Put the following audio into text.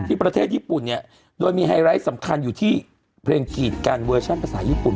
ประเทศญี่ปุ่นเนี่ยโดยมีไฮไลท์สำคัญอยู่ที่เพลงขีดกันเวอร์ชั่นภาษาญี่ปุ่น